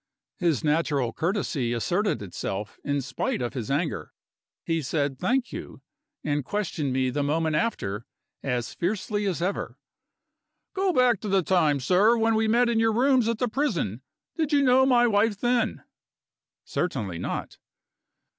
His natural courtesy asserted itself in spite of his anger. He said "Thank you," and questioned me the moment after as fiercely as ever. "Go back to the time, sir, when we met in your rooms at the prison. Did you know my wife then?" "Certainly not."